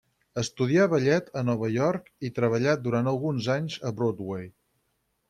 Estudià ballet a Nova York i treballà durant alguns anys a Broadway.